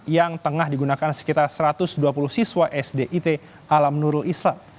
yang tengah digunakan sekitar satu ratus dua puluh siswa sdit alam nurul islam